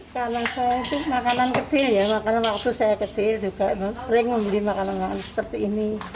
karena saya itu makanan kecil ya makanan waktu saya kecil juga sering membeli makanan makanan seperti ini